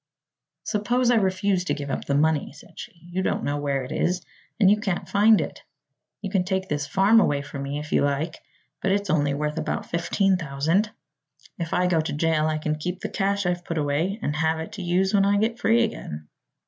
"Suppose I refuse to give up the money?" said she. "You don't know where it is, and you can't find it. You can take this farm away from me, if you like, but it's only worth about fifteen thousand. If I go to jail I can keep the cash I've put away and have it to use when I get free again."